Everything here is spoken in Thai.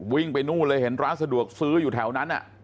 วิ่งไปนู่นเลยเห็นร้านสะดวกซื้ออยู่แถวนั้น